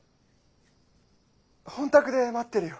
本宅で待ってるよ。